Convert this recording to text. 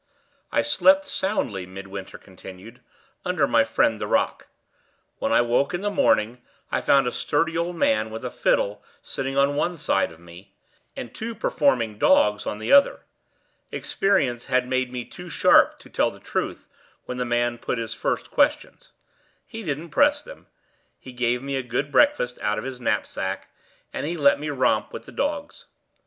"I slept soundly," Midwinter continued, "under my friend the rock. When I woke in the morning, I found a sturdy old man with a fiddle sitting on one side of me, and two performing dogs on the other. Experience had made me too sharp to tell the truth when the man put his first questions. He didn't press them; he gave me a good breakfast out of his knapsack, and he let me romp with the dogs.